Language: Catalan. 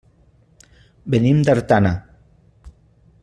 Venim d'Artana.